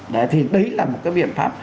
đấy là một cái biện pháp